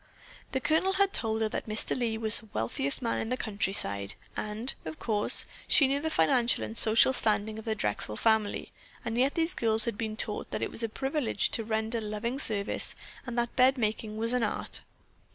The Colonel had told her that Mr. Lee was the wealthiest man in the countryside, and, of course, she knew the financial and social standing of the Drexel family, and yet these girls had been taught that it was a privilege to render loving service and that bed making was an art.